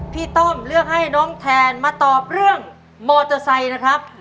ต้อมเลือกให้น้องแทนมาตอบเรื่องมอเตอร์ไซค์นะครับ